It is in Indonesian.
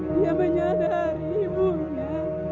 dia menyadari ibunya